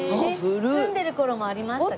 住んでる頃もありましたか？